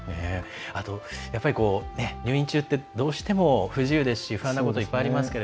あと、やっぱり入院中ってどうしても不自由ですし、不安なことがいっぱいありますが。